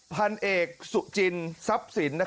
พันเอกสุจิน